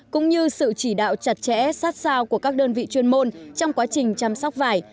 cũng như sự chỉ đạo chặt chẽ sát sao của các đơn vị chuyên môn trong quá trình chăm sóc vải